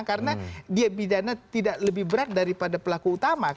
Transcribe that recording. karena dia pidana tidak lebih berat daripada pelaku utama